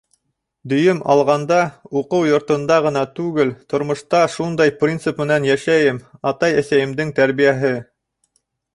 Дөйөм алғанда, уҡыу йортонда ғына түгел, тормошта шундай принцип менән йәшәйем — атай-әсәйемдең тәрбиәһе.